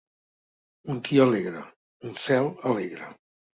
Un dia alegre, un cel alegre.